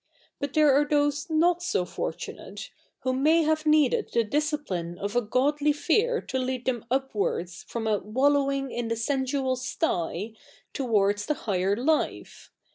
But there are those Jiot so fortu?tate, who may have 7ieeded the discipline of a godly fear to lead the?n upwards from a ''''wallowing in the sensual sty'''' towards the higher life.